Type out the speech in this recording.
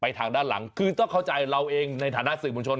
ทางด้านหลังคือต้องเข้าใจเราเองในฐานะสื่อมวลชน